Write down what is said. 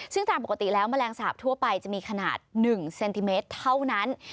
ซึ่งตามปกติแล้วแมลงสาปทั่วไปจะมีขนาด๑เซนติเมตรเท่านั้น